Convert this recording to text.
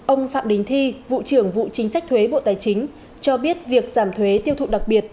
ông phạm đình thi vụ trưởng vụ chính sách thuế bộ tài chính cho biết việc giảm thuế tiêu thụ đặc biệt